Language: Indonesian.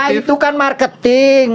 ya itu kan marketing